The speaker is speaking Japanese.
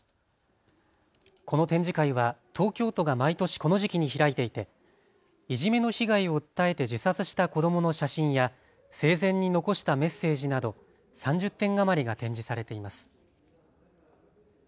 この展示会は東京都が毎年この時期に開いていていじめの被害を訴えて自殺した子どもの写真や生前に残したメッセージなど３０点余りが展示されています。